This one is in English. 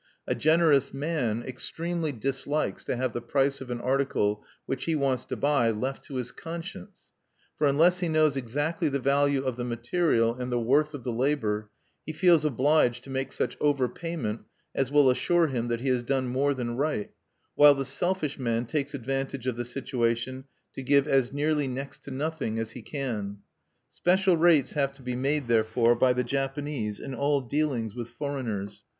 A generous man extremely dislikes to have the price of an article which he wants to buy left to his conscience; for, unless he knows exactly the value of the material and the worth of the labor, he feels obliged to make such over payment as will assure him that he has done more than right; while the selfish man takes advantage of the situation to give as nearly next to nothing as he can. Special rates have to be made, therefore, by the Japanese in all dealings with foreigners.